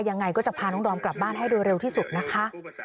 ยังไงก็จะพาน้องดอมกลับบ้านให้โดยเร็วที่สุดนะคะ